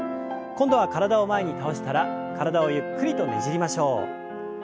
今度は体を前に倒したら体をゆっくりとねじりましょう。